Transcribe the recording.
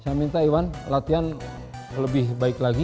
saya minta iwan latihan lebih baik lagi